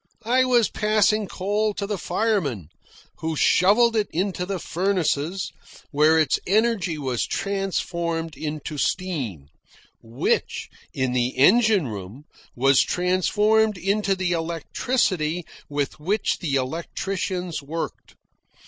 I was passing coal to the firemen, who shovelled it into the furnaces, where its energy was transformed into steam, which, in the engine room, was transformed into the electricity with which the electricians worked.